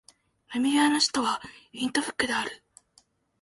ナミビアの首都はウィントフックである